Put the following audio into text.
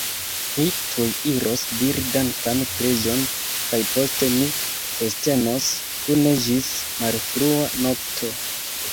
Mi tuj iros diri dankan preĝon, kaj poste ni festenos kune ĝis malfrua nokto!